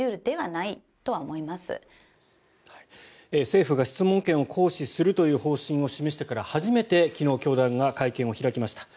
政府が質問権を行使するという方針を示してから初めて昨日、教団が会見を開きました。